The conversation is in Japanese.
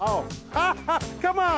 ハッハッカモン！